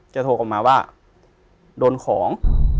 โทรกลับมาว่าโดนของ